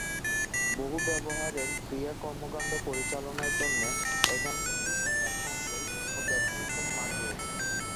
বহু-ব্যবহারের ক্রীড়া কর্মকাণ্ড পরিচালনার জন্যে এখানে একটি সাঁতার কমপ্লেক্স ও ব্যাডমিন্টন মাঠ রয়েছে।